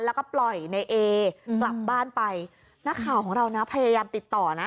แล้วก็ปล่อยในเอกลับบ้านไปนักข่าวของเรานะพยายามติดต่อนะ